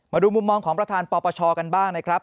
มาดูมุมมองของประธานปปชกันบ้างนะครับ